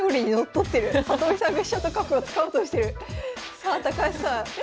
さあ高橋さん